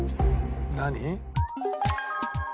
「何？」